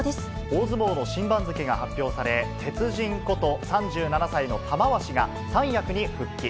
大相撲の新番付が発表され、鉄人こと、３７歳の玉鷲が三役に復帰。